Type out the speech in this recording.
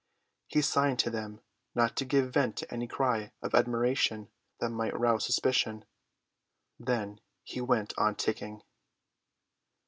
He signed to them not to give vent to any cry of admiration that might rouse suspicion. Then he went on ticking.